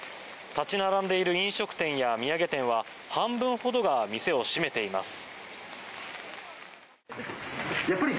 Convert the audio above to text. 立ち並んでいる飲食店や土産店は半分ほどが店を閉めています。